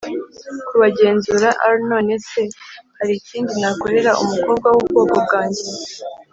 kubagenzura r None se hari ikindi nakorera umukobwa w ubwoko bwanjye